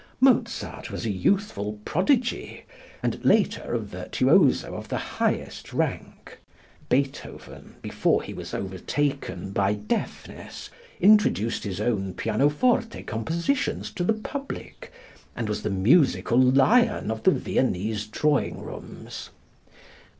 Mozart was a youthful prodigy, and later a virtuoso of the highest rank. Beethoven, before he was overtaken by deafness, introduced his own pianoforte compositions to the public and was the musical lion of the Viennese drawing rooms.